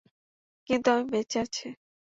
কিন্তু আমি বেঁচে আছি।